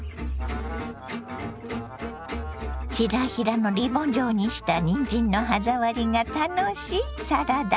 ヒラヒラのリボン状にしたにんじんの歯触りが楽しいサラダ。